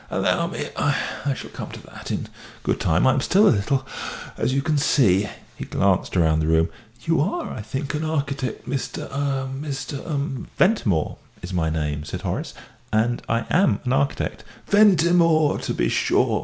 "Allow me, I I shall come to that in good time. I am still a little as you can see." He glanced round the room. "You are, I think, an architect, Mr. ah Mr. um ?" "Ventimore is my name," said Horace, "and I am an architect." "Ventimore, to be sure!"